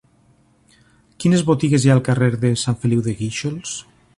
Quines botigues hi ha al carrer de Sant Feliu de Guíxols?